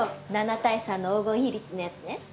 ７対３の黄金比率のやつね。